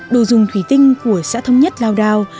đồ dùng thủy tinh của xã thống nhất lao đao